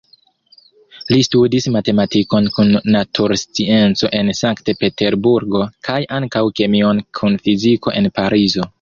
Li studis matematikon kun naturscienco en Sankt-Peterburgo, kaj ankaŭ kemion kun fiziko en Parizo.